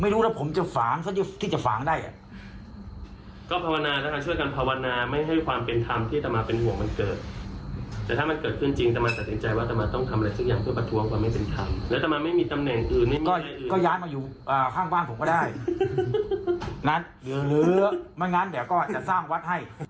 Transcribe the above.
อย่างนั้นเดี๋ยวก็จะสร้างวัดให้